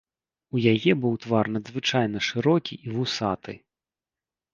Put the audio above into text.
У яе быў твар надзвычайна шырокі і вусаты.